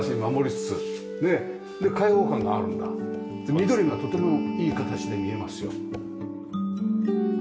緑がとてもいい形で見えますよ。